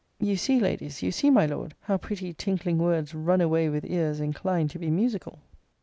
You see, Ladies, you see, my Lord, how pretty tinkling words run away with ears inclined to be musical.